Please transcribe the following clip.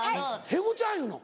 へごちゃんいうの？